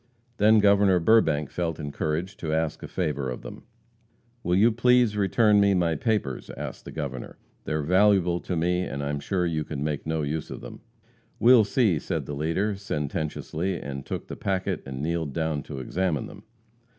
Then Governor Burbank felt encouraged to ask a favor of them. "Will you please return me my papers?" asked the Governor. "They are valuable to me, but I am sure you can make no use of them." "We'll see," said the leader, sententiously, and took the packet and kneeled down to examine them.